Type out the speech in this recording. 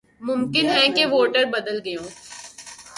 ممکن ہے کہ ووٹر بدل گئے ہوں۔